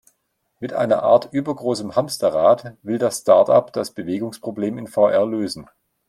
Mit einer Art übergroßem Hamsterrad, will das Startup das Bewegungsproblem in VR lösen.